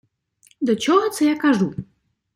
До чого це я кажу?